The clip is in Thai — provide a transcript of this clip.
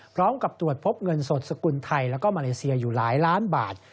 พร้อมกับตรวจพบเงินสดสกุลไทยแล้วก็มาเลเซียอยู่หลายล้านบาท